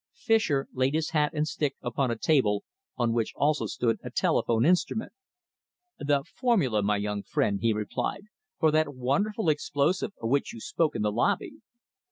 Fischer laid his hat and stick upon a table, on which also stood a telephone instrument. "The formula, my young friend," he replied, "for that wonderful explosive of which you spoke in the lobby."